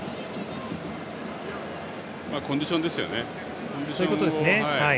コンディションですよね。